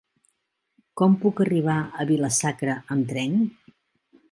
Com puc arribar a Vila-sacra amb tren?